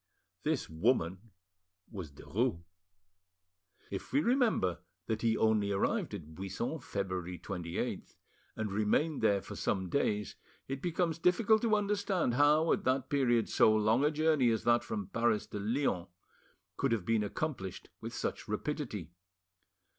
This woman was Derues. If we remember that he only arrived at Buisson February 28th, and remained there for some days, it becomes difficult to understand how at that period so long a journey as that from Paris to Lyons could have been accomplished with such rapidity.